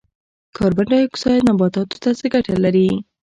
کاربن ډای اکسایډ نباتاتو ته څه ګټه لري؟